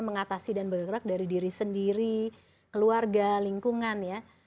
mengatasi dan bergerak dari diri sendiri keluarga lingkungan ya